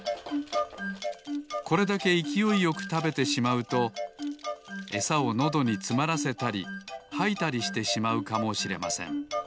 これだけいきおいよくたべてしまうとエサをのどにつまらせたりはいたりしてしまうかもしれません